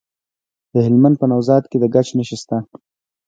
د هلمند په نوزاد کې د ګچ نښې شته.